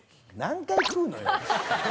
何回食うのよ？